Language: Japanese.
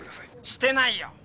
してないよっ！